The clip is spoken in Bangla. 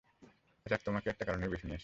অ্যাজাক তোমাকে একটা কারনেই বেছে নিয়েছে।